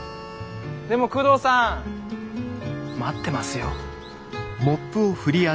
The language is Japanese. でも久遠さん待ってますよ。